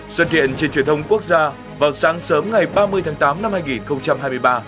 xuân thiện trên truyền thông quốc gia vào sáng sớm ngày ba mươi tháng tám năm hai nghìn hai mươi ba